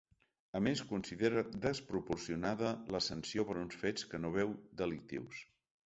A més, considera desproporcionada la sanció per uns fets que no veu delictius.